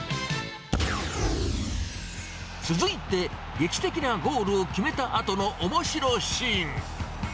続いて、劇的なゴールを決めたあとのおもしろシーン。